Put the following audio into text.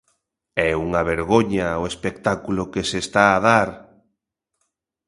É unha vergoña o espectáculo que se está a dar.